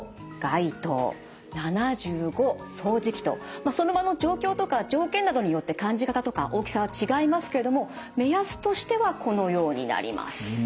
まあその場の状況とか条件などによって感じ方とか大きさは違いますけれども目安としてはこのようになります。